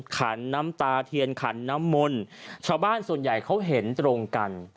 ขันน้ำตาเทียนขันน้ำมนต์ชาวบ้านส่วนใหญ่เขาเห็นตรงกัน